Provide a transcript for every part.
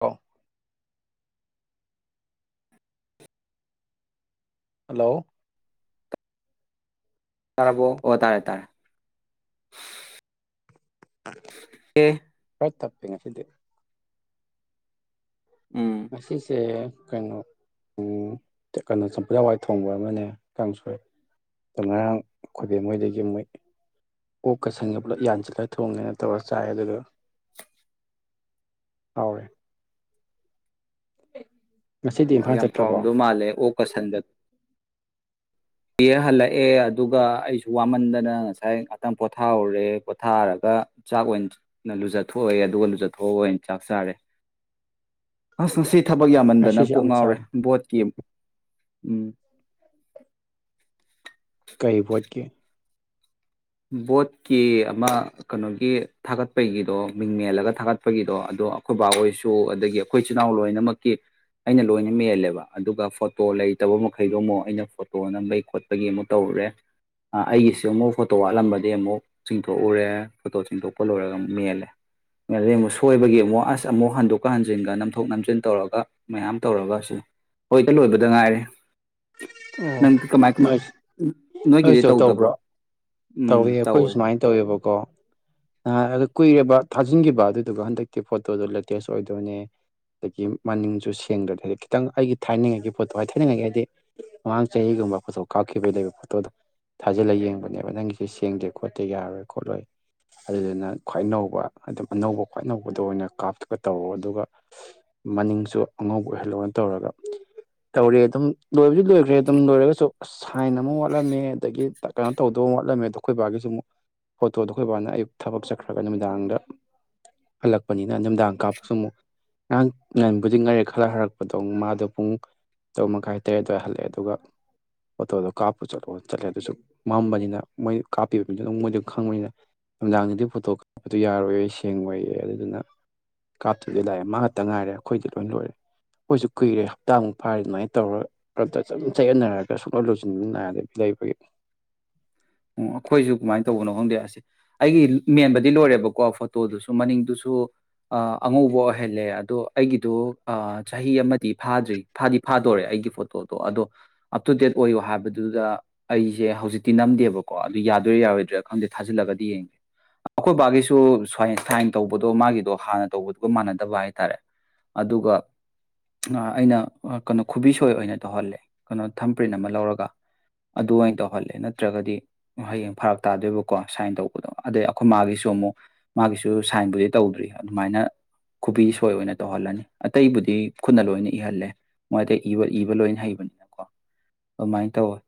ꯑꯣ ꯍꯂꯣ ꯇꯔꯥꯕꯣ ꯑꯣ ꯇꯔꯦ ꯇꯔ ꯍ ꯑꯦꯦ ꯇꯄꯤ ꯉꯁꯤꯗꯤ ꯎꯝ ꯉꯁꯤꯁꯦ ꯀꯩꯅꯣ ꯑꯪ ꯀꯩꯅꯣ ꯆꯝꯐꯨꯠ ꯍꯋꯥꯏ ꯊꯣꯡꯕ ꯑꯃꯅꯦ ꯀꯥꯡꯁꯣꯏ ꯑꯣ ꯉꯔꯥꯡ ꯈꯨꯣꯏꯕꯦꯝꯍꯣꯏꯗꯒꯤ ꯃꯣꯏ ꯑꯣꯛꯀꯁꯟꯒ ꯄꯨꯂꯞ ꯌꯥꯟꯁꯤꯜꯠꯂꯒ ꯊꯣꯡꯉꯦꯅ ꯇꯧꯔ ꯆꯥꯏ ꯑꯗꯨꯒ ꯍꯥꯎꯔꯦ ꯉꯁꯤꯗꯤ ꯑꯣ ꯏꯝꯐꯥꯜ ꯌꯥꯝ ꯆꯠꯇ꯭ꯔꯕꯣ ꯍꯥꯎꯔꯝꯗꯧ ꯃꯥꯜꯂꯦ ꯑꯣ ꯀ ꯁꯟꯒ ꯄ ꯍꯜꯂꯛꯑꯦ ꯑꯗꯨꯒ ꯑꯩꯁꯨ ꯋꯥꯃꯟꯗꯅ ꯉꯁꯥꯏ ꯉꯥꯛꯇꯪ ꯄꯣꯊꯥꯍꯧꯔꯦ ꯄꯣꯊꯥꯔꯒ ꯆꯥꯛ ꯑꯣꯏꯅ ꯂꯨꯖꯊꯣꯛꯑꯦ ꯑꯗꯨꯒ ꯂꯨꯖꯊꯣꯛꯑꯒ ꯑꯣꯏꯅ ꯆꯥꯛ ꯆꯥꯔꯦ ꯑꯁ ꯉꯁꯤ ꯊꯕꯛ ꯌꯥꯝꯃꯟꯗꯅ ꯉꯁꯤꯁꯦ ꯀꯣꯛ ꯌꯥꯝ ꯉꯥꯎꯔꯦ ꯆꯥꯔꯦ ꯕꯣꯠꯀꯤ ꯎꯝ꯫ ꯀꯩꯕꯣꯠꯀꯤ ꯕꯣꯠꯀꯤ ꯑꯃ ꯀꯩꯅꯣꯒꯤ ꯊꯥꯒꯠꯄꯒꯤꯗꯣ ꯃꯤꯡ ꯃꯦꯜꯂꯒ ꯊꯥꯒꯠꯄꯒꯤꯗꯣ ꯑꯗꯣ ꯑꯩꯈꯣꯏ ꯕꯥ ꯍꯣꯏꯁꯨ ꯑꯗꯒꯤ ꯑꯩꯈꯣꯏ ꯏꯆꯜ ꯏꯅꯥꯎ ꯂꯣꯏꯅꯃꯛꯀꯤ ꯑꯩꯅ ꯂꯣꯏꯅ ꯃꯦꯜꯂꯦꯕ ꯑꯗꯨꯒ ꯐꯣꯇꯣ ꯂꯩꯇꯕ ꯃꯈꯩꯗꯣ ꯑꯃꯨꯛ ꯑꯩꯅ ꯐꯣꯇꯣ ꯅꯝꯕꯒꯤ ꯈꯣꯠꯄꯒꯤ ꯑꯃꯨꯛ ꯇꯧꯔꯨꯔꯦ ꯑꯩꯒꯤꯁꯨ ꯑꯃꯨꯛ ꯐꯣꯇꯣ ꯋꯥꯠꯂꯝꯕꯗꯤ ꯑꯃꯨꯛ ꯆꯤꯡꯊꯣꯛꯎꯔꯦ ꯐꯣꯇꯣ ꯆꯤꯡꯊꯣꯛꯄ ꯂꯣꯏꯔꯒ ꯑꯃꯨꯛ ꯃꯦꯜꯂꯦ ꯃꯦꯜꯂꯗꯤ ꯑꯃꯨꯛ ꯁꯣꯏꯕꯒꯤ ꯑꯃꯨꯛ ꯑꯁ ꯑꯃꯨꯛ ꯍꯟꯗꯣꯛꯀ ꯍꯟꯖꯤꯟꯒ ꯅꯝꯊꯣꯛ ꯅꯝꯁꯤꯟ ꯇꯧꯔꯒ ꯃꯌꯥꯝ ꯇꯧꯔꯒ ꯑꯁꯤ ꯍꯧꯖꯤꯛꯇꯗ ꯂꯣꯏꯕꯗ ꯉꯥꯏꯔꯦ꯫ ꯑꯣ ꯅꯪꯗꯤ ꯀꯃꯥꯏ ꯀꯃꯥꯏ ꯅꯣꯏ ꯅꯣꯏꯒꯤꯗꯤ ꯇꯧꯗꯕ꯭ꯔꯣ꯫ ꯇꯧꯋꯦ ꯑꯩꯈꯣꯏꯁꯨ ꯁꯨꯃꯥꯏꯅ ꯇꯧꯋꯦꯕꯀꯣ [unintelligible] ꯀꯨꯏꯔꯕ ꯊꯥꯖꯤꯟꯈꯤꯕ ꯑꯗꯨꯗꯨꯒ ꯍꯟꯗꯛꯀꯤ ꯐꯣꯇꯣꯗꯣ ꯂꯦꯇꯦꯁ ꯑꯣꯏꯗꯣꯏꯅꯦ ꯑꯗꯒꯤ ꯃꯅꯤꯡꯖꯨ ꯁꯦꯡꯗ꯭ꯔꯗꯤ ꯈꯤꯇꯪ ꯑꯩꯒꯤ ꯊꯥꯏꯅꯤꯡꯉꯥꯏꯒꯤ ꯐꯣꯇꯣ ꯍꯥꯏꯇ [unintelligible] ꯊꯥꯏꯅꯤꯡꯉꯒꯤ ꯍꯥꯏꯗꯤ ꯃꯃꯥꯡ ꯆꯍꯤꯒꯨꯝꯕ ꯐꯣꯇꯣ ꯀꯥꯞꯈꯤꯕꯩ ꯂꯩꯕ ꯐꯣꯇꯣꯗꯣ ꯊꯥꯖꯤꯜꯂ ꯌꯦꯡꯕꯅꯦꯕ ꯅꯪꯒꯤꯁꯦ ꯁꯦꯡꯗꯦ ꯈꯣꯠꯇꯦ ꯌꯥꯔꯣꯏ ꯈꯣꯠꯂꯣꯏ ꯑꯗꯨꯗꯨꯅ ꯈ꯭ꯋꯥꯏ ꯑꯅꯧꯕ ꯑꯗꯨꯝ ꯑꯅꯧꯕ ꯈ꯭ꯋꯥꯏ ꯅꯧꯕꯗꯣꯅ ꯑꯣꯏꯅ ꯀꯥꯞꯊꯒ ꯇꯧꯕ ꯑꯗꯨꯒ ꯃꯅꯤꯡꯁꯨ ꯑꯉꯧꯕ ꯑꯣꯏꯍꯜꯂꯣꯅ ꯇꯧꯔꯒ ꯇꯧꯔꯦ ꯑꯗꯨꯝ ꯂꯣꯏꯕꯗꯤ ꯂꯣꯏꯈ꯭ꯔꯦ ꯑꯗꯨꯝ ꯂꯣꯏꯔꯒꯁꯨ ꯑꯁ ꯁꯥꯏꯟ ꯑꯃ ꯋꯥꯠꯂꯝꯃꯦ ꯑꯗꯒꯤ ꯀꯩꯅꯣ ꯇꯧꯗꯧ ꯋꯥꯠꯂꯝꯃꯦ ꯗꯣ ꯑꯩꯈꯣꯏ ꯕꯥꯒꯤꯁꯨ ꯑꯃꯨꯛ ꯐꯣꯇꯣꯗꯣ ꯑꯩꯈꯣꯏ ꯕꯥꯅ ꯑꯌꯨꯛ ꯊꯕꯛ ꯆꯠꯈ꯭ꯔꯒ ꯅꯨꯃꯤꯗꯥꯡꯗ ꯍꯜꯂꯛꯄꯅꯤꯅ ꯅꯨꯃꯤꯗꯥꯡ ꯀꯥꯞꯄꯁꯨ ꯑꯃꯨꯛ ꯉꯔꯥꯡ ꯉꯍꯥꯟꯕꯨꯗꯤ ꯉꯥꯜꯂꯦ ꯈꯔ ꯍꯜꯂꯛꯄꯗꯣ ꯃꯥꯗꯣ ꯄꯨꯡ ꯇꯔꯨꯛ ꯃꯈꯥꯏ ꯇꯔꯦꯠ ꯑꯗꯨꯋꯥꯏ ꯍꯜꯂꯛꯑꯦ ꯑꯗꯨꯒ ꯐꯣꯇꯣꯗꯣ ꯀꯥꯞꯄꯨ ꯆꯠꯂꯣ ꯆꯠꯂꯦ ꯑꯗꯨꯖꯨ ꯃꯝꯕꯅꯤꯅ ꯃꯣꯏ ꯀꯥꯞꯄꯤꯕ ꯃꯤꯗꯨꯅꯑꯗꯨꯝ ꯃꯣꯏꯗ ꯑꯗꯨꯝ ꯈꯪꯕꯅꯤꯅ ꯅꯨꯡꯗꯥꯡꯗꯗꯤ ꯐꯣꯇꯣ ꯀꯥꯞꯄꯗꯨ ꯌꯥꯔꯣꯏꯌꯦ ꯁꯦꯡꯉꯣꯏꯌꯦ ꯑꯗꯨꯗꯨꯅ ꯀꯥꯞꯇꯕꯤ ꯂꯥꯛꯑꯦ ꯃꯥꯇꯪ ꯉꯥꯏꯔꯦ ꯑꯩꯈꯣꯏꯗꯤ ꯂꯣꯏ ꯂꯣꯏꯔꯦ ꯑꯩꯈꯣꯏꯁꯨ ꯀꯨꯏꯔꯦ ꯍꯞꯇꯥꯃꯨꯛ ꯐꯥꯔꯦ ꯑꯗꯨꯃꯥꯏꯅ ꯇꯧꯔꯒ ꯐꯔꯛꯇ ꯑꯗꯨꯝ ꯆꯌꯦꯠꯅꯔꯒ ꯁꯨꯡꯂꯣꯏ ꯂꯣꯏꯁꯤꯟ ꯅꯥꯏꯗ ꯂꯩꯕꯩ ꯑꯣ ꯑꯩꯈꯣꯏꯁꯨ ꯀꯃꯥꯏ ꯇꯧꯕꯅꯣ ꯈꯪꯗꯦ ꯑꯁ ꯑꯩꯒꯤ ꯃꯦꯟꯕꯗꯤ ꯂꯣꯏꯔꯦꯕꯀꯣ ꯐꯣꯇꯣꯗꯨꯁꯨ ꯃꯅꯤꯡꯗꯨꯁꯨ ꯑꯥ ꯑꯉꯧꯕ ꯑꯣꯏꯍꯜꯂꯦ ꯑꯗꯣ ꯑꯩꯒꯤꯗꯣ ꯑꯥ ꯆꯍꯤ ꯑꯃꯗꯤ ꯐꯥꯗ꯭ꯔꯤ ꯐꯥꯗꯤ ꯐꯥꯗꯣꯢꯔꯦ ꯑꯩꯒꯤ ꯐꯣꯇꯣꯗꯣ ꯑꯗꯣ ꯑꯞ ꯇꯨ ꯗꯦꯠ ꯑꯣꯏꯌꯣ ꯍꯥꯏꯕꯗꯨꯗ ꯑꯩꯖꯦ ꯍꯧꯖꯤꯛꯇꯤ ꯅꯝꯗꯦꯕ ꯀꯣ ꯑꯗꯨ ꯌꯥꯗꯣꯏ ꯌꯥꯔꯣꯏꯗ꯭ꯔꯤ ꯈꯪꯗꯦ ꯊꯥꯖꯤꯜꯂꯒꯗꯤ ꯌꯦꯡꯒꯦ ꯑꯩꯈꯣꯏ ꯕꯥꯒꯤꯁꯨ ꯁꯥꯏꯟ ꯇꯧꯕꯗꯣ ꯃꯥꯒꯤꯗꯣ ꯍꯥꯟꯅ ꯇꯧꯕꯗꯨꯒ ꯃꯥꯟꯅꯗꯕ ꯍꯥꯏꯇꯥꯔꯦ ꯑꯗꯨꯒ ꯑꯥ ꯑꯩꯅ ꯀꯩꯅꯣ ꯈꯨꯕꯤꯁꯣꯏ ꯑꯣꯏꯅ ꯇꯧꯍꯜꯂꯦ ꯀꯩꯅꯣ ꯊꯝꯄ꯭ꯔꯤꯟ ꯑꯃ ꯂꯧꯔꯒ ꯑꯗꯨꯃꯥꯏ ꯇꯧꯍꯜꯂꯦ ꯅꯠꯇ꯭ꯔꯒꯗꯤ ꯍꯌꯦꯡ ꯐꯔꯞ ꯇꯥꯗꯣꯏꯕꯀꯣ ꯁꯥꯏꯟ ꯇꯧꯕꯗꯣ ꯑꯗꯩ ꯑꯩꯈꯣꯏ ꯃꯥꯒꯤꯁꯨ ꯑꯃꯨꯛ ꯃꯥꯒꯤꯁꯨ ꯁꯥꯏꯟꯕꯨꯗꯤ ꯇꯧꯗ꯭ꯔꯤ ꯑꯗꯨꯃꯥꯏꯅ ꯈꯨꯕꯤ ꯁꯣꯏ ꯑꯣꯏꯅ ꯇꯧꯍꯜꯂꯅꯤ ꯑꯇꯩꯕꯨꯗꯤ ꯈꯨꯠꯅ ꯂꯣꯏꯅ ꯏꯍꯜꯂꯦ ꯃꯣꯏ ꯑꯇꯩ ꯏꯕ ꯏꯕ ꯂꯣꯏꯅ ꯍꯩꯕꯅꯤꯅꯀꯣ ꯑꯗꯨꯃꯥꯏꯅ ꯇꯧꯋꯦ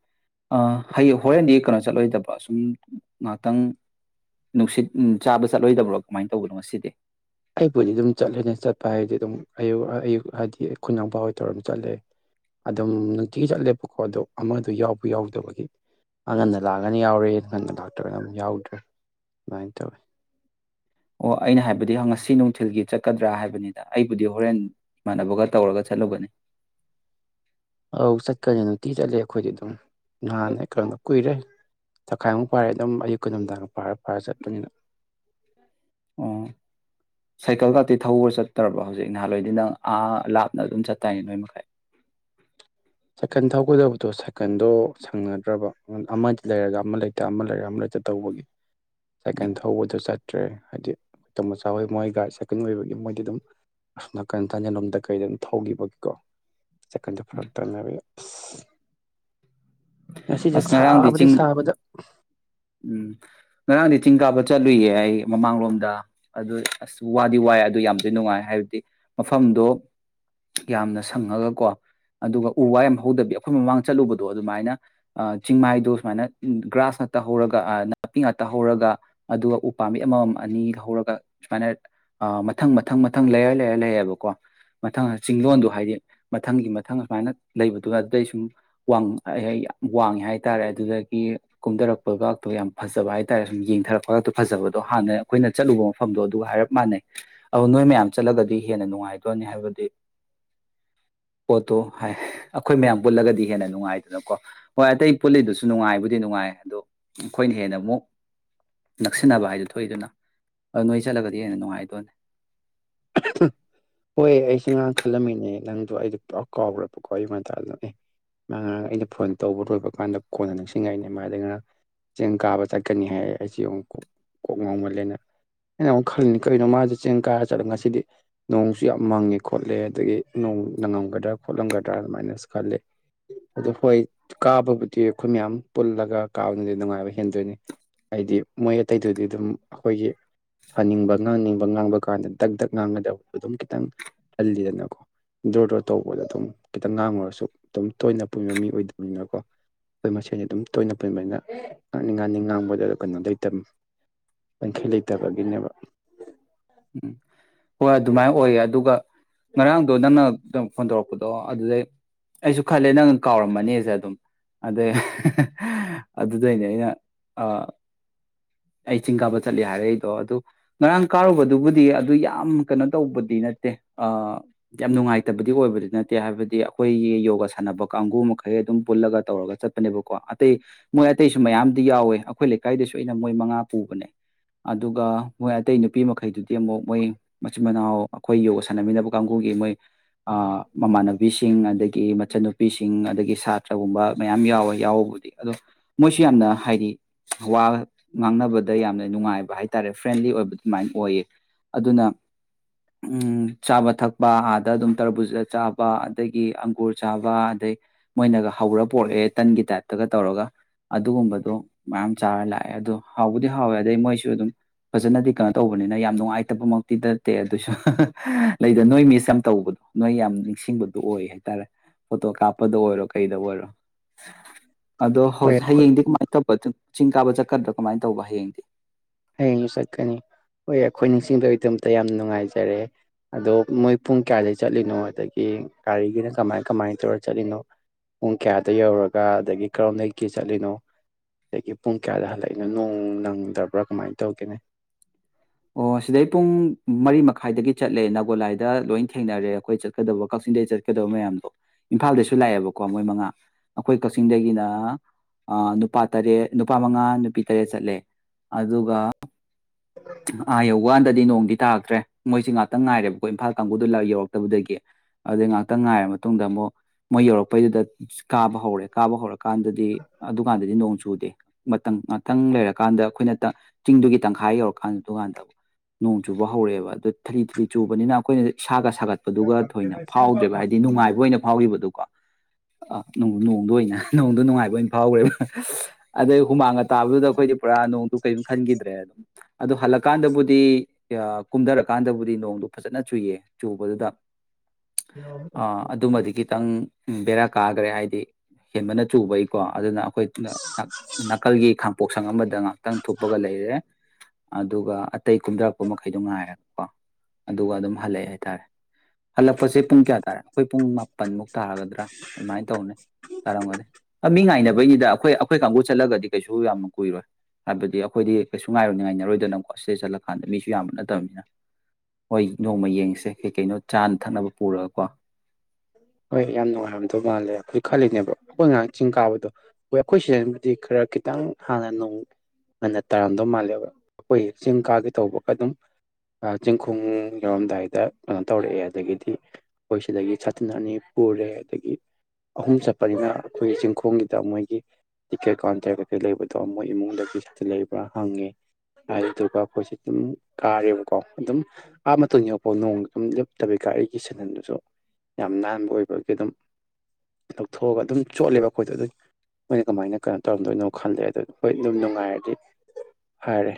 ꯑꯥ ꯍꯌꯦꯡ ꯍꯣꯔꯦꯟꯗꯤ ꯀꯩꯅꯣ ꯆꯠꯂꯣꯏꯗꯕꯥ ꯁꯨꯝ ꯉꯥꯛꯇꯪ ꯅꯨꯡꯁꯤꯠ ꯆꯥꯕ ꯆꯠꯂꯣꯏꯗꯕ꯭ꯔꯣ ꯀꯃꯥꯏ ꯇꯧꯕꯅꯣ ꯉꯁꯤꯗꯤ꯫ ꯑꯩꯕꯨꯗꯤ ꯑꯗꯨꯝ ꯆꯠꯂꯦꯅꯦ ꯆꯠꯄ ꯍꯥꯏꯗꯤ ꯑꯗꯨꯝ ꯑꯌꯨꯛ ꯑꯌꯨꯛ ꯍꯥꯏꯗꯤ ꯑꯩꯈꯣꯏ ꯏꯅꯥꯎꯄꯍꯣꯏ ꯇꯧꯔ ꯑꯗꯨꯝ ꯆꯠꯂꯦ ꯑꯗꯨꯝ ꯅꯨꯡꯇꯤꯒꯤ ꯆꯠꯂꯦꯕꯀꯣ ꯑꯗꯣ ꯑꯃꯗ ꯌꯥꯎꯕ ꯌꯥꯎꯗꯕꯒꯤ ꯈ꯭ꯔꯉꯟꯅ ꯂꯥꯛꯑꯒꯅ ꯌꯥꯎꯔꯦ ꯉꯟꯅ ꯂꯥꯛꯇ꯭ꯔꯒꯅ ꯑꯗꯨꯝ ꯌꯥꯎꯗ꯭ꯔꯦ ꯑꯗꯨꯃꯥꯏꯅ ꯇꯧꯋꯦ꯫ ꯑꯣ ꯑꯩꯅ ꯍꯥꯏꯕꯗꯤ ꯉꯁꯤ ꯅꯨꯡꯊꯤꯜꯒꯤ ꯆꯠꯀꯗ꯭ꯔꯥ ꯍꯥꯏꯕꯅꯤꯗ ꯑꯩꯕꯨꯗꯤ ꯍꯣꯔꯦꯟ ꯏꯃꯥꯟꯅꯕꯒ ꯇꯧꯔꯒ ꯆꯠꯂꯨꯒꯅꯤ꯫ ꯑꯥꯎ ꯆꯠꯀꯅꯤ ꯅꯨꯡꯇꯤ ꯆꯠꯂꯦ ꯑꯩꯈꯣꯏꯗꯤ ꯑꯗꯨꯝ꯫ [unintelligible] ꯀꯨꯏꯔꯦ ꯊꯈꯥꯏꯃꯨꯛ ꯐꯥꯔꯦ ꯑꯗꯨꯝ ꯑꯌꯨꯛꯀ ꯅꯨꯡꯗꯥꯡꯒ ꯄꯥꯔ ꯄꯥꯔ ꯆꯠꯄꯅꯤꯅ꯫ ꯑꯣ ꯁꯥꯏꯀꯜ ꯀꯥꯇꯤ ꯊꯧꯕ ꯆꯠꯇ꯭ꯔꯕꯣ ꯍꯧꯖꯤꯛ ꯅꯍꯥꯟꯋꯥꯏꯗꯤ ꯅꯪ ꯑꯥ ꯂꯥꯞꯅ ꯑꯗꯨꯝ ꯆꯠꯇꯥꯏꯅꯦ ꯅꯣꯏ ꯃꯈꯩ꯫ ꯁꯥꯏꯀꯜ ꯊꯧꯒꯗꯕꯗꯣ ꯁꯥꯏꯀꯜꯗꯣ ꯁꯪꯅꯗ꯭ꯔꯕ ꯑꯃꯗꯤ ꯂꯩꯔꯒ ꯑꯃ ꯂꯩꯇ ꯑꯃ ꯂꯩꯔꯒ ꯑꯃ ꯂꯩꯇ ꯇꯧꯕꯒꯤ꯫ ꯁꯥꯏꯀꯦꯟ ꯊꯧꯕꯗꯣ ꯆꯠ ꯇ꯭ꯔꯦ ꯍꯥꯏꯗꯤ ꯇꯃꯣꯆꯥ ꯍꯣꯏ ꯃꯣꯏꯒ ꯁꯥꯏꯀꯟ ꯂꯩꯕꯒꯤ ꯃꯣꯏꯗꯤ ꯑꯗꯨꯝ ꯑꯁꯣꯝ ꯅꯥꯀꯟ ꯇꯟꯖꯂꯣꯝꯗ ꯀꯩꯗ ꯑꯗꯨꯝ ꯊꯧꯈꯤꯕꯒꯀꯣ [unintelligible] ꯐꯔꯛ [unintelligible] ꯉꯁꯤꯁꯦ ꯑꯁ ꯉꯔꯥꯡꯗꯤ ꯁꯥꯕꯗ ꯆꯤꯡ ꯁꯥꯕꯗ ꯎꯝ ꯉꯔꯥꯡꯗꯤ ꯆꯤꯡ ꯀꯥꯕ ꯆꯠꯂꯨꯏꯌꯦ ꯑꯩ ꯃꯃꯥꯡꯂꯣꯝꯗ ꯑꯗꯨ ꯑꯁ ꯋꯥꯗꯤ ꯋꯥꯏ ꯑꯗꯨ ꯌꯥꯝꯗꯤ ꯅꯨꯡꯉꯥꯏ ꯍꯥꯏꯕꯗꯤ ꯃꯐꯝꯗꯣ ꯌꯥꯝꯅ ꯁꯪꯉꯒꯀꯣ ꯑꯗꯨꯒ ꯎ ꯋꯥ ꯌꯥꯝ ꯍꯧꯗꯕꯤ ꯑꯩꯈꯣꯏ ꯃꯃꯥꯡ ꯆꯠꯂꯨꯕꯗꯣ ꯑꯗꯨꯃꯥꯏꯅ ꯆꯤꯡꯃꯥꯏꯗꯣ ꯁꯨꯃꯥꯏꯅ ꯒ꯭ꯔꯥꯁ ꯉꯥꯛꯇ ꯍꯧꯔꯒ ꯅꯥꯄꯤ ꯉꯥꯛꯇ ꯍꯧꯔꯒ ꯑꯗꯨꯒ ꯎꯄꯥꯥꯝꯕꯤꯠꯑꯃꯃꯝ ꯑꯅꯤ ꯍꯧꯔꯒ ꯁꯨꯃꯥꯏꯅ ꯃꯊꯪ ꯃꯊꯪ ꯃꯊꯪ ꯂꯩꯌꯔ ꯂꯩꯌꯔ ꯂꯩꯌꯦꯕꯀꯣ ꯃꯊꯪ ꯆꯤꯡꯂꯣꯟꯗꯣ ꯍꯥꯏꯗꯤ ꯃꯊꯪꯒꯤ ꯃꯊꯪ ꯁꯨꯃꯥꯏꯅ ꯂꯩꯕꯗꯨꯒ ꯑꯇꯩꯁꯨ ꯋꯥꯡ ꯋꯥꯡꯉꯦ ꯍꯥꯏꯇꯥꯔꯦ ꯑꯗꯨꯗꯒꯤ ꯀꯨꯝꯗꯔꯛꯄꯒꯥꯇꯣ ꯌꯥꯝ ꯐꯖꯕ ꯍꯥꯏ ꯇꯥꯔꯦ ꯁꯨꯝ ꯌꯦꯡꯊꯔꯛꯄꯒꯇꯣ ꯐꯖꯕꯗꯣ ꯍꯥꯟꯅ ꯑꯩꯈꯣꯏꯅ ꯆꯠꯂꯨꯕ ꯃꯐꯝꯗꯣ ꯑꯗꯨꯒ ꯍꯥꯏꯔꯞ ꯃꯥꯟꯅꯩ ꯑꯗꯣ ꯅꯣꯏ ꯃꯌꯥꯝ ꯆꯠꯂꯒꯗꯤ ꯍꯦꯟꯅ ꯅꯨꯡꯉꯥꯏꯗꯣꯏꯅꯤ ꯍꯥꯏꯕꯗꯤ ꯄꯣꯠꯇꯣ ꯍꯥꯏ ꯑꯩꯈꯣꯏ ꯃꯌꯥꯝ ꯄꯨꯜꯂꯒꯗꯤ ꯍꯦꯟꯅ ꯅꯨꯡꯉꯥꯏꯗꯅꯀꯣ꯫ ꯍꯣꯏ ꯑꯇꯩ ꯄꯨꯜꯂꯤꯗꯨꯁꯨ ꯅꯨꯡꯉꯥꯏꯕꯨꯗꯤ ꯅꯨꯡꯉꯥꯏ ꯑꯗꯣ ꯑꯩꯈꯣꯏꯅ ꯍꯦꯟꯅ ꯑꯃꯨꯛ ꯅꯛꯁꯤꯟꯅꯕ ꯍꯥꯏꯗꯨ ꯊꯣꯛꯏꯗꯅ ꯑꯗꯅꯣꯏ ꯆꯠꯂꯒꯗꯤ ꯍꯦꯟꯅ ꯅꯨꯡꯉꯥꯏꯗꯣꯏꯅꯤ꯫ ꯍꯣꯏ ꯑꯩꯁꯨ ꯉꯔꯥꯡ ꯈꯜꯂꯝꯃꯤꯅꯦ ꯅꯪꯗꯣ ꯑꯩꯗꯣ ꯄꯨꯔꯥ ꯀꯥꯎꯈꯕꯀꯣ ꯑꯌꯨꯛ ꯉꯟꯇꯥꯟꯗꯨꯗ ꯑꯦ ꯃꯥ ꯉꯔꯥꯡ ꯑꯩꯅ ꯐꯣꯟ ꯇꯧꯕ ꯂꯣꯏꯕ ꯀꯥꯟꯗ ꯀꯣꯟꯅ ꯅꯛꯁꯤꯡꯉꯥꯏꯅꯦ ꯃꯥꯗꯩ ꯉꯔꯥꯡ ꯆꯤꯡ ꯀꯥꯕ ꯆꯠꯀꯅꯤ ꯍꯥꯏꯌꯦ ꯑꯩꯖꯤ ꯑꯃꯨꯛ ꯀꯣꯛ ꯀꯣꯛ ꯉꯥꯎꯃꯜꯂꯦꯅ ꯑꯩꯅ ꯑꯃꯨꯛ ꯈꯜꯂꯅꯤ ꯀꯔꯤꯒꯤꯅꯣ ꯃꯥꯖꯨ ꯆꯤꯡ ꯀꯥꯔ ꯆꯠꯂ ꯉꯁꯤꯗꯤ ꯅꯣꯡꯁꯨ ꯌꯥꯝ ꯃꯪꯉꯦ ꯈꯣꯠꯂꯦ ꯑꯗꯒꯤ ꯅꯣꯡ ꯅꯪꯉꯝꯒꯗ꯭ꯔꯥ ꯈꯣꯠꯂꯝꯒꯗ꯭ꯔꯥ ꯑꯗꯨꯃꯥꯏꯅꯁꯨ ꯈꯜꯂꯦ ꯑꯗꯨꯗ ꯍꯣꯏ ꯀꯥꯕꯕꯨꯗꯤ ꯑꯩꯈꯣꯏ ꯃꯌꯥꯝ ꯄꯨꯜꯂꯒ ꯀꯥꯕꯅꯗꯤ ꯅꯨꯡꯉꯥꯏꯕ ꯍꯦꯟꯗꯣꯏꯅꯤ ꯍꯥꯏꯗꯤ ꯃꯣꯏ ꯑꯇꯩꯗꯨꯗꯤ ꯑꯗꯨꯝ ꯑꯩꯈꯣꯏꯒꯤ ꯁꯥꯅꯤꯡꯕ ꯉꯥꯡꯅꯤꯡꯕ ꯉꯥꯡꯕ ꯀꯥꯟꯗ ꯗꯛ ꯗꯛ ꯉꯥꯡꯒꯗꯕꯗꯣ ꯑꯗꯨꯝ ꯈꯤꯇꯪ ꯍꯜꯂꯤꯗꯅꯀꯣꯟ ꯗꯣꯔ ꯗꯣꯔ ꯇꯧꯕꯗ ꯑꯗꯨꯝ ꯈꯤꯇꯪ ꯉꯥꯡꯉꯨꯔꯁꯨ ꯑꯗꯨꯝ ꯇꯣꯏꯅ ꯄꯨꯟꯕ ꯃꯤ ꯑꯣꯏꯗꯕꯅꯤꯅꯀꯣ ꯑꯩꯈꯣꯏ ꯃꯁꯦꯟꯁ ꯑꯗꯨꯝ ꯇꯣꯏꯅ ꯄꯨꯟꯕꯅꯤꯅ ꯉꯥꯡꯅꯤꯡ ꯉꯥꯡꯅꯤꯡ ꯉꯥꯡꯕꯗ ꯀꯩꯅꯣ ꯂꯩꯇꯝ ꯉꯝꯈꯩ ꯂꯩꯇꯕꯒꯤꯅꯦꯕ꯫ [unintelligible] ꯍꯣꯏ ꯑꯗꯨꯃꯥꯏ ꯑꯣꯏꯌꯦ ꯑꯗꯨꯒ ꯉꯔꯥꯡꯗꯣ ꯅꯪꯅ ꯐꯣꯟ ꯇꯧꯔꯛꯄꯗꯣ ꯑꯗꯨꯗꯩ ꯑꯩꯁꯨ ꯈꯜꯂꯦ ꯅꯪꯅ ꯀꯥꯎꯔꯝꯃꯅꯤꯖꯦ ꯑꯗꯨꯝ ꯑꯗꯩ ꯑꯗꯨꯗꯩꯅꯦ ꯑꯩꯅ ꯑꯩ ꯆꯤꯡ ꯀꯥꯕ ꯆꯠꯂꯦ ꯍꯥꯏꯔꯩꯗꯣ ꯑꯗꯨ ꯉꯔꯥꯡ ꯀꯥꯔꯨꯕꯗꯨꯕꯨꯗꯤ ꯑꯗꯨ ꯌꯥꯝ ꯀꯩꯅꯣ ꯇꯧꯕꯗꯤ ꯅꯠꯇꯦ ꯌꯥꯝ ꯅꯨꯡꯉꯥꯏꯇꯕꯗꯤ ꯑꯣꯏꯕꯗꯤ ꯅꯠꯇꯦ ꯍꯥꯏꯕꯗꯤ ꯑꯩꯈꯣꯏꯒꯤ ꯌꯣꯒꯥ ꯁꯥꯟꯅꯕ ꯀꯥꯡꯒꯨ ꯃꯈꯩ ꯑꯗꯨꯝ ꯄꯨꯜꯂꯒ ꯇꯧꯔꯒ ꯆꯠꯄꯅꯦꯕꯀꯣ ꯑꯇꯩ ꯃꯣꯏ ꯑꯇꯩꯁꯨ ꯃꯌꯥꯝꯗꯤ ꯌꯥꯎꯋꯦ ꯑꯩꯈꯣꯏ ꯂꯩꯀꯥꯏꯗꯁꯨ ꯑꯩꯅ ꯃꯣꯏ ꯃꯉꯥ ꯄꯨꯕꯅꯦ ꯑꯗꯨꯒ ꯃꯣꯏ ꯑꯇꯩ ꯅꯨꯄꯤ ꯃꯈꯩꯗꯨꯗꯤ ꯑꯃꯨꯛ ꯃꯣꯏ ꯃꯆꯤꯟ ꯃꯅꯥꯎ ꯑꯩꯈꯣꯏ ꯌꯣꯒ ꯁꯥꯟꯅꯃꯤꯟꯅꯕ ꯀꯥꯡꯒꯨꯒꯤ ꯃꯣꯏ ꯃꯃꯥꯟꯅꯕꯤꯁꯤꯡ ꯑꯗꯒꯤ ꯃꯆꯟꯅꯨꯄꯤꯁꯤꯡ ꯑꯗꯒꯤ ꯁꯥꯇ꯭ꯔꯒꯨꯝꯕ ꯃꯌꯥꯝ ꯌꯥꯎꯋꯦ ꯌꯥꯎꯕꯕꯨꯗꯤ ꯑꯗꯣ ꯃꯣꯏꯁꯨ ꯌꯥꯝꯅ ꯍꯥꯏꯗꯤ ꯋꯥ ꯉꯥꯡꯅꯕꯗ ꯌꯥꯝꯅ ꯅꯨꯡꯉꯥꯏꯕ ꯍꯥꯏ ꯇꯥꯔꯦ ꯐ꯭ꯔꯦꯟꯂꯤ ꯑꯣꯏꯕ ꯑꯗꯨꯃꯥꯏꯅ ꯑꯣꯏꯌꯦ ꯑꯗꯨꯅ ꯎꯝ ꯆꯥꯕ ꯊꯛꯄ ꯑꯥꯗ ꯑꯗꯨꯝ ꯇꯔꯕꯨꯖꯥ ꯆꯥꯕ ꯑꯗꯒꯤ ꯑꯪꯒꯨꯔ ꯆꯥꯕ ꯑꯗꯩ ꯃꯣꯏꯅꯒ ꯍꯧꯔ ꯄꯣꯔꯛꯑꯦ ꯇꯟꯒꯤ ꯇꯥꯏꯞꯇꯒ ꯇꯧꯔꯒ ꯑꯗꯨꯒꯨꯝꯕꯗꯣ ꯃꯌꯥꯝ ꯆꯥꯔ ꯂꯥꯛꯑꯦ ꯑꯗꯨꯗꯣ ꯍꯥꯎꯕꯨꯗꯤ ꯍꯥꯎꯋꯦ ꯑꯗꯩ ꯃꯣꯏꯁꯨ ꯑꯗꯨꯝ ꯐꯖꯅꯗꯤ ꯀꯩꯅꯣ ꯇꯧꯕꯅꯤꯅ ꯌꯥꯝ ꯅꯨꯡꯉꯥꯏꯇꯕꯃꯛꯇꯤ ꯅꯠꯇꯦ ꯑꯗꯨꯏꯁꯨ ꯂꯩꯗ ꯅꯣꯏ ꯃꯤꯁ ꯌꯥꯝ ꯇꯧꯕꯗꯣ ꯅꯣꯏ ꯌꯥꯝ ꯅꯤꯡꯁꯤꯡꯕꯗꯣ ꯑꯣꯏ ꯍꯥꯏꯇꯥꯔꯦ ꯐꯣꯇꯣ ꯀꯥꯞꯄꯗ ꯑꯣꯏꯔꯣ ꯀꯩꯗ ꯑꯣꯏꯔꯣ ꯑꯗꯣ ꯍꯣꯏ ꯍꯧꯖꯤꯛ ꯑꯩꯈꯣꯏ ꯍꯌꯦꯡꯗꯤ ꯀꯃꯥꯏꯅ ꯇꯧꯕ ꯑꯗꯨ ꯆꯤꯡ ꯀꯥꯕ ꯆꯛꯀꯗ꯭ꯔꯥ ꯀꯃꯥꯏꯅ ꯇꯧꯕ ꯍꯌꯦꯡꯗꯤ ꯍꯌꯦꯡ ꯆꯠꯀꯅꯤ ꯍꯣꯏ ꯑꯩꯈꯣꯏ ꯅꯤꯡꯁꯤꯡꯕꯒꯤꯗꯃꯇ ꯌꯥꯝ ꯅꯨꯡꯉꯥꯏꯖꯔꯦ ꯑꯗꯣ ꯃꯣꯏ ꯄꯨꯡ ꯀꯌꯥꯗꯒꯤ ꯆꯠꯂꯤꯅꯣ ꯑꯗꯒꯤ ꯒꯥꯔꯤꯒꯤꯅ ꯀꯃꯥꯏ ꯀꯃꯥꯏꯅ ꯇꯧꯔ ꯆꯠꯂꯤꯅꯣ ꯄꯨꯡ ꯀꯌꯥꯗ ꯌꯧꯔꯒ ꯑꯗꯒꯤ ꯀꯔꯝꯗꯒꯤꯩꯗꯒꯤ ꯆꯠꯂꯤꯅꯣ ꯑꯗꯒꯤ ꯄꯨꯡ ꯀꯌꯥꯗ ꯍꯜꯂꯛꯏꯅꯣ ꯅꯣꯡ ꯅꯪꯗ꯭ꯔꯕ ꯭ꯔ ꯀꯃꯥꯏꯅ ꯇꯧꯒꯦꯅꯦ ꯑꯣ ꯁꯤꯗꯩ ꯄꯨꯡ ꯃꯔꯤ ꯃꯈꯥꯏꯗꯒꯤ ꯆꯠꯂꯦ ꯒꯣꯂꯥꯏꯗ ꯂꯣꯏ ꯊꯦꯡꯅꯔꯦ ꯑꯩꯈꯣꯏ ꯆꯠꯀꯗꯕ ꯀꯛꯆꯤꯡꯗꯒꯤ ꯆꯠꯀꯗꯕ ꯃꯌꯥꯝꯗꯣ ꯏꯝꯐꯥꯜꯗꯁꯨ ꯂꯥꯛꯑꯦꯕꯀꯣ ꯃꯣꯏ ꯃꯉꯥ ꯑꯩꯈꯣꯏ ꯀꯛꯆꯤꯡꯗꯒꯤꯅ ꯅꯨꯄꯥ ꯇꯔꯦꯠ ꯅꯨꯄꯥ ꯃꯉꯥ ꯅꯨꯄꯤ ꯇꯔꯦꯠ ꯆꯠꯂꯦ ꯑꯗꯨꯒ ꯑ ꯌꯧ ꯋꯥꯗ ꯗꯤ ꯅꯣꯡꯗꯤ ꯇꯥꯔꯛꯇ꯭ꯔꯦ ꯃꯣꯏꯁꯤ ꯉꯥꯛꯇꯪ ꯉꯥꯏꯔꯦꯕꯀꯣ ꯏꯝꯐꯥꯜ ꯀꯥꯡꯕꯨꯗꯨ ꯌꯧꯔꯛꯇꯕꯗꯒꯤ ꯑꯗꯨꯗꯩ ꯉꯥꯛꯇꯪ ꯉꯥꯏꯔ ꯃꯇꯨꯡꯗ ꯑꯃꯨꯛ ꯃꯣꯏ ꯌꯧꯔꯛꯄꯩꯗꯨꯗ ꯀꯥꯕ ꯍꯧꯔꯦ ꯀꯥꯕ ꯍꯧꯔꯀꯥꯟꯗꯗꯤ ꯑꯗꯨꯀꯥꯟꯗꯗꯤ ꯅꯣꯡ ꯆꯨ ꯆꯨꯗꯦ ꯃꯇꯝ ꯉꯥꯛꯇꯪ ꯂꯩꯔꯀꯥꯟꯗ ꯑꯩꯈꯣꯏꯅ ꯆꯤꯡꯗꯨꯒꯤ ꯇꯪꯈꯥꯏ ꯌꯧꯔꯀꯥꯟꯗ ꯑꯗꯨꯀꯥꯟꯗ ꯅꯣꯡ ꯆꯨꯕ ꯍꯧꯔꯛꯑꯦꯕ ꯑꯗꯨ ꯊꯥꯔꯤ ꯊꯥꯔꯤ ꯆꯨꯕꯅꯤꯅ ꯑꯩꯈꯣꯏꯅ ꯁꯥꯒ ꯁꯥꯒꯠꯄꯗꯨꯒ ꯊꯣꯏꯅ ꯐꯥꯎꯗ꯭ꯔꯦꯕ ꯍꯥꯏꯗꯤ ꯅꯨꯡꯉꯥꯏꯕ ꯑꯣꯏꯅ ꯐꯥꯎꯔꯤꯕꯗꯨꯀꯣ ꯑ ꯅꯣꯡꯗ ꯑꯣꯏꯅ ꯅꯣꯡꯗꯣ ꯅꯨꯡꯉꯥꯏꯕ ꯑꯣꯏꯅ ꯐꯥꯎꯈ꯭ꯔꯦ ꯑꯗꯩ ꯍꯨꯃꯥꯡꯒ ꯇꯥꯕꯗꯨꯗ ꯑꯩꯈꯣꯏꯗꯤ ꯄꯨꯔꯥ ꯅꯣꯡꯗꯨ ꯀꯔꯤꯝ ꯈꯟꯈꯤꯗ꯭ꯔꯦ ꯑꯗꯨꯝ ꯑꯗꯨ ꯍꯜꯛꯄ ꯀꯥꯟꯗꯕꯨꯗꯤ ꯀꯨꯝꯊꯔꯀꯥꯟꯗꯕꯨꯗꯤ ꯅꯣꯡꯗꯨ ꯐꯖꯅ ꯆꯨꯏꯌꯦ ꯆꯨꯕꯗꯨꯗ ꯑ ꯑꯗꯨꯃꯗꯤ ꯈꯤꯇꯪ ꯕꯦꯔꯥ ꯀꯥꯈ꯭ꯔꯦ ꯍꯥꯏꯗꯤ ꯍꯦꯟꯕꯅ ꯆꯨꯕꯩꯀꯣ ꯑꯗꯨꯅ ꯑꯩꯈꯣꯏ ꯅꯥꯀꯜꯒꯤ ꯈꯥꯡꯄꯣꯛꯁꯪ ꯑꯃꯗ ꯉꯍꯥꯛꯇꯪ ꯊꯣꯛꯨꯞꯄꯒ ꯂꯩꯔꯦ ꯑꯗꯨꯒ ꯑꯇꯩ ꯀꯨꯝꯊꯔꯛꯄ ꯃꯈꯩꯗꯣ ꯉꯥꯏꯔꯦꯕꯀꯣ ꯑꯗꯨꯒ ꯑꯗꯨꯝ ꯍꯜꯂꯛꯑꯦ ꯍꯥꯏꯇꯥꯔꯦ ꯍꯜꯂꯛꯄꯁꯦ ꯄꯨꯡ ꯀꯌꯥ ꯇꯥꯔꯦ ꯑꯩꯈꯣꯏ ꯄꯨꯡ ꯃꯥꯄꯟꯃꯨꯛ ꯇꯥꯔꯒꯗ꯭ꯔꯥ ꯑꯗꯨꯃꯥꯏꯅ ꯇꯧꯅꯤ ꯇꯥꯔꯝꯒꯗꯤ ꯑ ꯃꯤ ꯉꯥꯏꯅꯕꯩꯅꯤꯗ ꯑꯩꯈꯣꯏ ꯑꯩꯈꯣꯏ ꯀꯥꯡꯕꯨ ꯆꯠꯂꯒꯗꯤ ꯀꯩꯁꯨ ꯌꯥꯝꯅ ꯀꯨꯏꯔꯣꯏ ꯍꯥꯏꯕꯗꯤ ꯑꯩꯈꯣꯏꯗꯤ ꯀꯩꯁꯨ ꯉꯥꯏꯔꯣꯏꯅꯤ ꯉꯥꯏꯅꯔꯣꯏꯗꯣꯏꯅ ꯁꯤꯗ ꯆꯠꯂꯀꯥꯟꯗ ꯃꯤꯁꯨ ꯌꯥꯝꯕ ꯅꯠꯇꯕꯅꯤꯅ ꯍꯣꯏ ꯅꯣꯡꯃ ꯌꯦꯡꯁꯦ ꯀꯩ ꯀꯩꯅꯣ ꯆꯥꯅ ꯊꯛꯅꯕ ꯄꯨꯔꯒꯀꯣ ꯍꯣꯏ ꯌꯥꯝ ꯅꯨꯡꯉꯥꯏꯔꯝꯗꯧ ꯃꯥꯜꯂꯦ ꯑꯩꯖꯤꯣꯏ ꯈꯜꯂꯤꯅꯦꯕ ꯑꯩꯈꯣꯏ ꯉꯥꯏꯍꯥꯛ ꯆꯤꯡ ꯀꯥꯕꯗꯣ ꯍꯣꯏ ꯑꯩꯈꯣꯏ ꯁꯤꯖꯟꯕꯨꯗꯤ ꯈꯔ ꯈꯤꯇꯪ ꯍꯥꯟꯅ ꯅꯣꯡ ꯉꯟꯅ ꯇꯥꯔꯝꯗꯧ ꯃꯥꯜꯂꯦꯕ ꯑꯩꯈꯣꯏ ꯆꯤꯡ ꯀꯥꯒꯦ ꯇꯧꯕꯒ ꯑꯗꯨꯝ ꯆꯤꯡꯈꯣꯡ ꯌꯧꯔꯝꯗꯥꯏꯗ ꯀꯩꯅꯣ ꯇꯧꯔꯛꯑꯦ ꯑꯗꯒꯤꯗꯤ ꯑꯩꯈꯣꯏ ꯁꯤꯗꯒꯤ ꯑꯗꯨꯟ ꯑꯅꯤ ꯄꯨꯔꯦ ꯑꯗꯒꯤ ꯑꯍꯨꯝ ꯆꯠꯄꯅꯤꯅ ꯑꯩꯈꯣꯏꯒꯤ ꯆꯤꯡꯈꯣꯡꯒꯤꯗ ꯃꯣꯏꯒꯤ ꯇꯤꯛꯀꯦꯠ ꯀꯥꯎꯟꯇꯔ ꯀꯩꯀꯩ ꯂꯩꯕꯗꯣ ꯃꯣꯏ ꯏꯃꯨꯡꯗꯒꯤ ꯁꯤꯗ ꯂꯩꯕ꯭ꯔꯥ ꯍꯪꯉꯦ ꯑꯗꯨꯗꯨꯒ ꯑꯩꯈꯣꯏꯁ ꯑꯗꯨꯝ ꯀꯥꯔꯦꯕꯀꯣ ꯑꯗꯨꯝ ꯑꯥ ꯃꯇꯨꯡ ꯌꯧꯐꯥꯎ ꯅꯣꯡ ꯑꯗꯨꯝ ꯂꯦꯞꯇꯕꯤꯀꯥꯏ ꯑꯩꯒꯤ ꯁꯅꯟꯗꯨꯁꯨ ꯌꯥꯝ ꯅꯥꯟꯕ ꯑꯣꯏꯕꯒꯤ ꯑꯗꯨꯝ ꯂꯧꯊꯣꯛꯑꯒ ꯑꯗꯨꯝ ꯆꯣꯠꯂꯦꯕ ꯑꯩꯈꯣꯏꯗꯣ ꯑꯗꯨ ꯃꯣꯏꯅ ꯀꯃꯥꯏꯅ ꯀꯩꯅꯣ ꯇꯧꯔꯝꯗꯣꯏꯅꯣ ꯈꯜꯂꯦ ꯑꯗꯨ ꯍꯣꯏ ꯑꯗꯨꯝ ꯅꯨꯡꯉꯥꯏꯔꯗꯤ ꯐꯔꯦ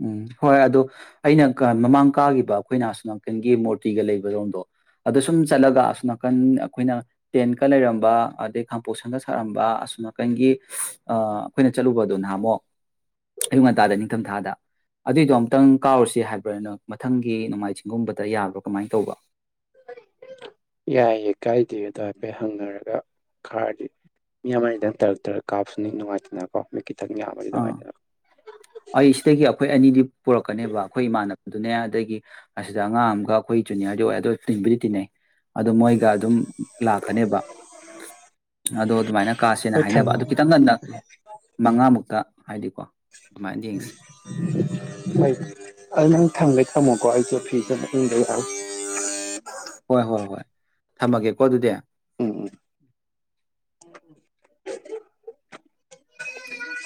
ꯎꯝ ꯍꯣꯏ ꯑꯗꯣ ꯑꯩꯅ ꯃꯃꯥꯡ ꯀꯥꯈꯤꯕ ꯑꯩꯈꯣꯏꯅ ꯑꯁꯣ ꯅꯥꯀꯟꯒꯤ ꯃꯨꯔꯇꯤꯒ ꯂꯩꯕꯔꯣꯝꯗꯣ ꯑꯗꯣ ꯁꯨꯝ ꯆꯠꯂꯒ ꯑꯁꯣ ꯅꯥꯀꯟ ꯑꯩꯈꯣꯏꯅ ꯇꯦꯟꯠꯀ ꯂꯩꯔꯝꯕ ꯑꯗꯩ ꯈꯥꯄꯣꯛꯁꯟꯒ ꯁꯥꯔꯝꯕ ꯑꯁꯣ ꯅꯥꯀꯟꯒꯤ ꯑꯩꯈꯣꯏꯅ ꯆꯠꯂꯨꯕꯗꯨ ꯅꯍꯥꯟꯃꯨꯛ ꯑꯌꯨꯛ ꯉꯟꯇꯥꯗ ꯅꯤꯡꯊꯝꯊꯥꯗ ꯑꯗꯨꯏꯗꯣ ꯑꯃꯨꯛꯇꯪ ꯀꯥꯎꯔꯨꯁꯤ ꯍꯥꯏꯕ꯭ꯔꯥꯅ ꯃꯊꯪꯒꯤ ꯅꯣꯡꯃꯥꯏ ꯆꯤꯡꯒꯨꯝꯕꯗ ꯌꯥꯕ꯭ꯔꯣ ꯀꯃꯥꯏꯅ ꯇꯧꯕ ꯌꯥꯏꯌꯦ ꯀꯥꯏꯗꯦ ꯑꯗꯣ ꯍꯥꯏꯐꯦꯠ ꯍꯪꯅꯔꯒ ꯈꯥꯔꯗꯤ ꯃꯤ ꯑꯃꯗꯪ ꯇꯔꯛ ꯇꯔꯛ ꯀꯥꯞꯁꯨꯅꯤ ꯅꯨꯡꯉꯥꯏꯇꯅꯀꯣ ꯌꯥꯝꯃꯗꯤ ꯑꯥ ꯅꯨꯡꯉꯥꯏꯇꯅꯀꯣ ꯑꯩ ꯁꯤꯗꯒꯤ ꯑꯩꯈꯣꯏ ꯑꯅꯤꯗꯤ ꯄꯨꯔꯛꯀꯅꯦꯕ ꯑꯩꯈꯣꯏ ꯏꯃꯥꯟꯅꯕ ꯑꯗꯨꯅꯦ ꯑꯗꯒꯤ ꯑꯁꯤꯗ ꯑꯉꯥꯡ ꯑꯃꯒ ꯑꯩꯈꯣꯏ ꯖꯨꯅꯤꯌꯔꯗꯤ ꯑꯣꯏ ꯑꯗꯣ ꯇꯤꯟꯕꯨꯗꯤ ꯇꯤꯟꯅꯩ ꯑꯗꯣ ꯃꯣꯏꯒ ꯑꯗꯨꯝ ꯂꯥꯛꯀꯅꯦꯕ ꯑꯗꯣ ꯑꯗꯨꯃꯥꯏꯅ ꯀꯥꯁꯦꯅ ꯍꯣꯏ ꯍꯥꯏꯅꯕ ꯊꯝꯃꯣ ꯑꯗꯨ ꯈꯤꯇꯪ ꯉꯟꯅ ꯃꯉꯥꯃꯨꯛ ꯍꯣꯏ ꯑꯗꯨ ꯅꯪ ꯊꯥꯡꯒ ꯊꯝꯃꯣꯀꯣ [unintelligible] ꯍꯣꯏ ꯍꯣꯏ ꯍꯣꯏ ꯊꯝꯃꯒꯦꯀꯣ ꯑꯗꯨꯗꯤ ꯎꯝ ꯎꯝ [unintelligible]